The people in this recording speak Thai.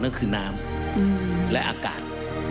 นั่นคือน้ำและอากาศ